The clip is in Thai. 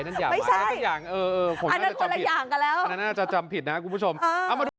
นั่นอย่างผมน่าจะจำผิดนะครับคุณผู้ชมเอามาดู